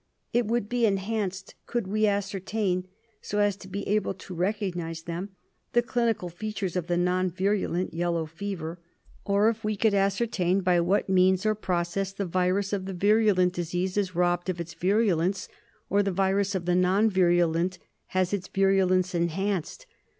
It would be enhanced could we ascertain, so as to be able to recognize them, the clinical features of non virulent vellow fever. Or if we could ascertain by what means or process the virus of the virulent disease is robbed of its virulence, or the virus of the non virulent has its virulence enhanced.